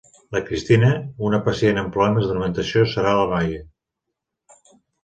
La Cristina, una pacient amb problemes d'alimentació serà la noia.